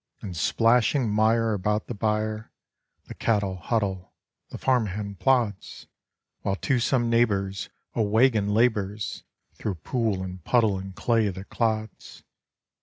In splashing mire about the byre The cattle huddle, the farm hand plods; While to some neighbor's a wagon labors Through pool and puddle and clay that clods.